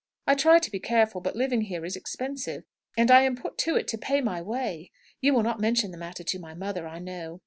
I try to be careful, but living here is expensive, and I am put to it to pay my way. You will not mention the matter to my mother, I know.